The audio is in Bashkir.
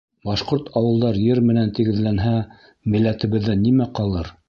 Башҡорт ауылдары ер менән тигеҙләнһә, милләтебеҙҙән нимә ҡалыр?